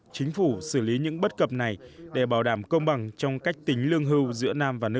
chính phủ xử lý những bất cập này để bảo đảm công bằng trong cách tính lương hưu giữa nam và nữ